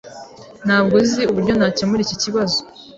Ntabwo nzi uburyo nakemura iki kibazo.